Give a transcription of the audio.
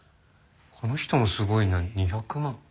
この人もすごいな２００万。